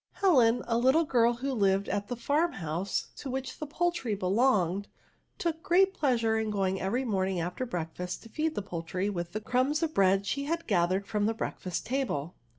Helen, a little girl who lived at the farm bouse to which the poultry belong^dj took ARTICLES. 47 great pleasure in going every morning after breakfast to feed the poultry with the crumbs of bread she gathered from the breakfast table.